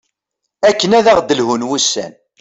akken ad aɣ-d-lhun wussan